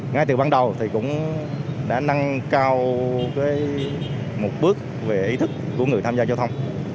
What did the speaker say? ngay từ ban đầu thì cũng đã nâng cao một bước về ý thức của người tham gia giao thông